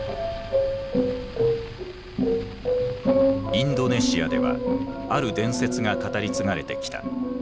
インドネシアではある伝説が語り継がれてきた。